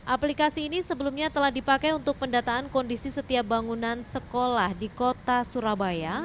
aplikasi ini sebelumnya telah dipakai untuk pendataan kondisi setiap bangunan sekolah di kota surabaya